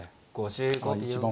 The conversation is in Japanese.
５５秒。